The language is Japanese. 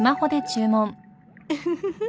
ウフフフ